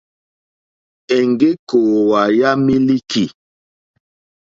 Èŋɡé kòòwà yà mílíkì.